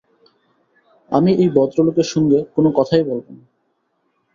আমি এই ভদ্রলোকের সঙ্গে কোনো কথাই বলব না।